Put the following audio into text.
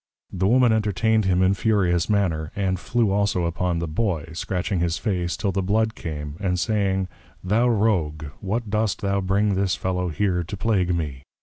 The Woman entertained him in furious manner; and flew also upon the Boy, scratching his Face till the Blood came; and saying, _Thou Rogue, what dost thou bring this Fellow here to plague me?